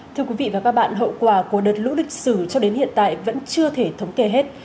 thưa quý vị và các bạn hậu quả của đợt lũ lịch sử cho đến hiện tại vẫn chưa thể thống kê hết